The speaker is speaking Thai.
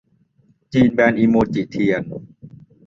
จีนแบนอิโมจิเทียน